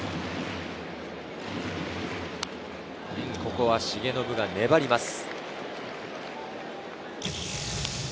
ここは重信が粘ります。